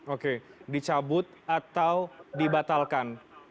oke dicabut atau dibatalkan